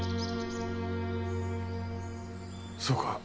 そうか。